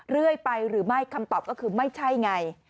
เรื่อยไปหรือไม่คำตอบก็คือไม่ใช่ไง